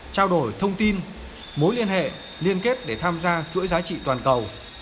trao đổi thông tin mối liên hệ liên kết để tham gia chuỗi giá trị toàn cầu